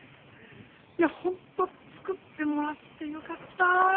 いや本当作ってもらってよかった。